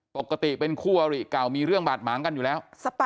ปกติเป็นคู่อริเก่ามีเรื่องบาดหมางกันอยู่แล้ว